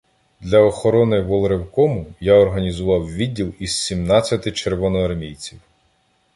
Для "охорони волревкому" я організував відділ із сімнадцяти "червоноармійців".